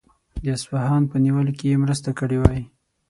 د اصفهان په نیولو کې یې مرسته کړې وای.